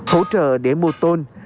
hỗ trợ để mua tôn